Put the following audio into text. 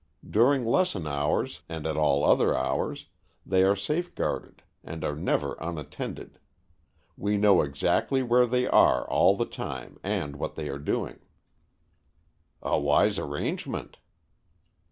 During lesson hours and at all other hours, they are safeguarded, and are never unattended. We know exactly where they are all the time, and what they are doing." "A wise arrangement."